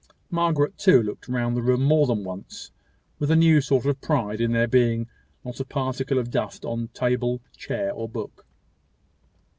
Margaret, too, looked round the room more than once, with a new sort of pride in there being not a particle of dust on table, chair, or book.